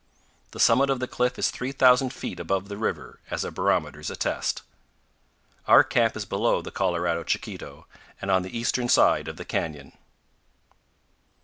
The summit of the cliff is 3,000 feet above the river, as our barometers attest. Our camp is below the Colorado Chiquito and on the eastern side of the canyon.